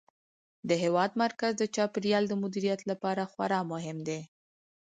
د هېواد مرکز د چاپیریال د مدیریت لپاره خورا مهم دی.